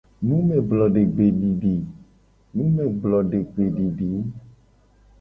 Numeblodegbedidi.